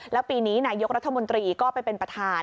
แล้วปีนี้นายกรัฐมนตรีก็ไปเป็นประธาน